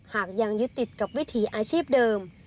หากยังยึดติดกับวิถีอาชีพเดิม